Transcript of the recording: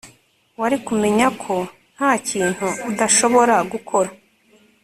wari kumenya ko ntakintu udashobora gukora